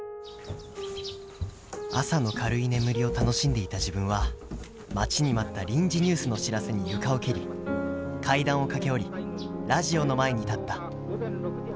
「朝の軽い眠りを楽しんでいた自分は待ちに待った臨時ニュースの知らせに床を蹴り階段を駆け下りラジオの前に立った。